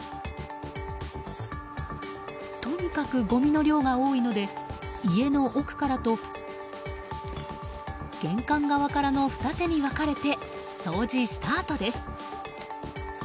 とにかくごみの量が多いので家の奥からと玄関側からの二手に分かれて掃除スタートです。